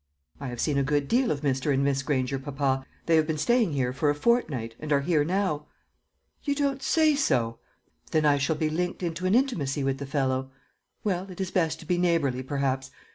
"I have seen a good deal of Mr. and Miss Granger, papa. They have been staying here for a fortnight, and are here now." "You don't say so! Then I shall be linked into an intimacy with the fellow. Well, it is best to be neighbourly, perhaps.